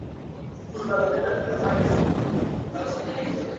Mjonjwa amerudi.